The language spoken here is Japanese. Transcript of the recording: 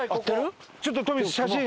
ちょっとトミー写真写真！